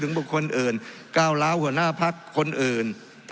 ทั้งสองกรณีผลเอกประยุทธ์